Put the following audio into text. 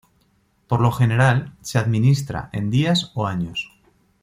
Por lo general, se administra en días o años.